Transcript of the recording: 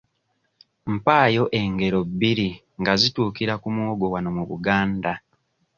Mpaayo engero bbiri nga zituukira ku muwogo wano mu Buganda?